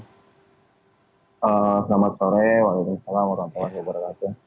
selamat sore waalaikumsalam walaikumsalam terima kasih